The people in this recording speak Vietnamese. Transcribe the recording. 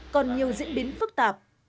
còn nhiều diễn biến phức tạp